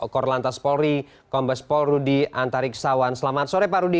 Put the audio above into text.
korlantas polri kombes polrudi antarik sawan selamat sore pak rudi